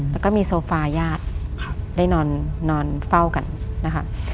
แล้วก็มีโซฟาญาติได้นอนเฝ้ากันนะคะ